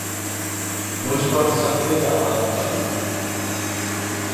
مجھ پر سکتہ کا عالم طاری تھا